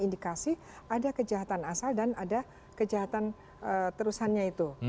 indikasi ada kejahatan asal dan ada kejahatan terusannya itu